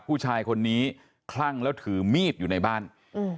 ผู้ชายคนนี้คลั่งแล้วถือมีดอยู่ในบ้านอืม